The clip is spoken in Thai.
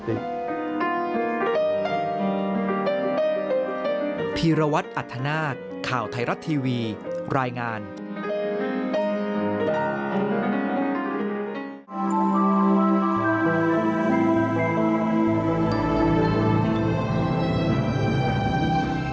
โปรดติดตามตอนต่อไป